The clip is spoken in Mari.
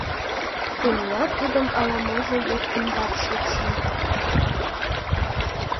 Теният тудым ала-можо вӱд ӱмбак шупшын.